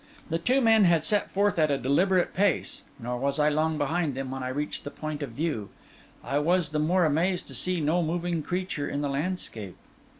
The two men had set forth at a deliberate pace; nor was I long behind them, when I reached the point of view. I was the more amazed to see no moving creature in the landscape.